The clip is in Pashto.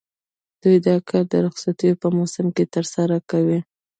دوی دا کار د رخصتیو په موسم کې ترسره کوي